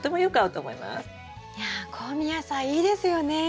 いや香味野菜いいですよね。